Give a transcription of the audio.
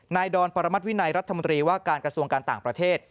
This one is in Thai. ดอนปรมัติวินัยรัฐมนตรีว่าการกระทรวงการต่างประเทศ